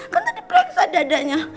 kan tadi pereksa dadanya